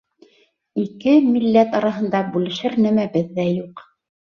Ике милләт араһында бүлешер нәмәбеҙ ҙә юҡ.